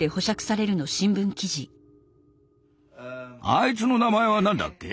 あいつの名前は何だっけ？